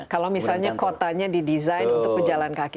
kalau misalnya kotanya didesain untuk pejalan kaki